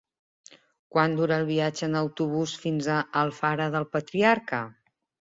Quant dura el viatge en autobús fins a Alfara del Patriarca?